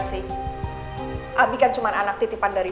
enggak heran sih abikan cuman anak titipan dari